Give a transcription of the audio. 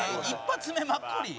「１発目マッコリ！？」